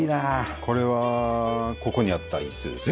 これはここにあった椅子ですね。